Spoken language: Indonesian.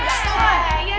udah gue jatoh